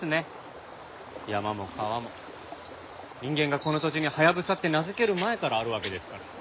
山も川も人間がこの土地にハヤブサって名付ける前からあるわけですから。